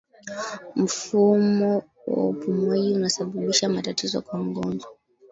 mfumo wa upumuaji unasababisha matatizo kwa mgonjwa